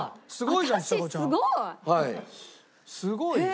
すごいね。